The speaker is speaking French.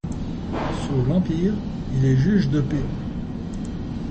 Sous l'Empire, il est juge de paix.